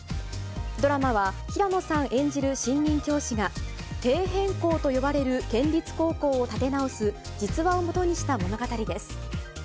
ドラマは、平野さん演じる新任教師が、底辺校と呼ばれる県立高校を立て直す実話をもとにした物語です。